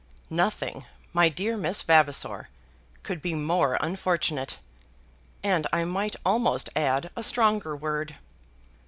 Nothing, my dear Miss Vavasor, could be more unfortunate, and I might almost add a stronger word.